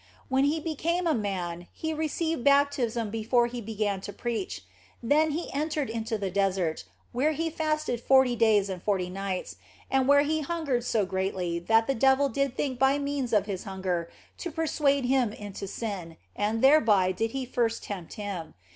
When He became a man He received baptism before He did begin to preach; then He entered into the desert, where He fasted forty days and forty nights, and where He hungered so greatly that the devil did think by means of His hunger to persuade Him into sin, and thereby did he first tempt Him.